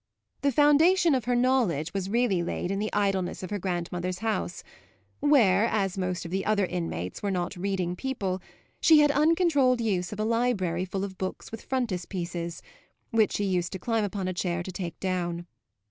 The foundation of her knowledge was really laid in the idleness of her grandmother's house, where, as most of the other inmates were not reading people, she had uncontrolled use of a library full of books with frontispieces, which she used to climb upon a chair to take down.